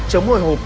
chống hồi hộp